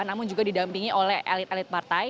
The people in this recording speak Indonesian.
namun juga didampingi oleh elit elit partai